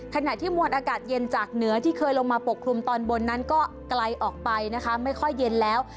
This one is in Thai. ขณะที่มวลอากาศเย็นจากเหนือที่เคยลงมาปกคลุมตอนบนนั้นก็ไกลออกไปนะคะไม่ค่อยเย็นแล้ว